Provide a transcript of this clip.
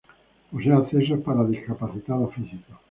Posee accesos para discapacitados físicos.